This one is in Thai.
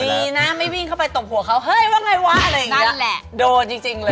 เฮ้ยว่าไงวะอะไรเงี้ย